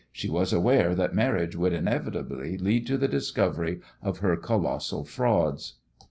She was aware that marriage would inevitably lead to the discovery of her colossal frauds.